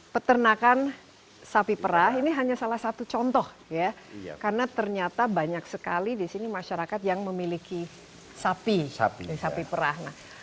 peternakan sapi perah ini hanya salah satu contoh ya karena ternyata banyak sekali di sini masyarakat yang memiliki sapi perah